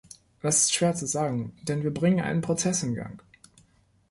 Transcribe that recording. Das ist schwer zu sagen, denn wir bringen einen Prozess in Gang.